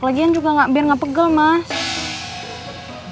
lagian juga biar gak pegel mas